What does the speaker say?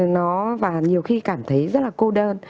nó và nhiều khi cảm thấy rất là cô đơn